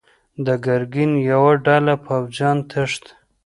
د ګرګين يوه ډله پوځيان تښتي.